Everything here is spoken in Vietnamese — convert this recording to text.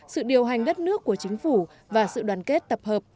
sự điều hành đất nước của chính phủ và sự đoàn kết tập hợp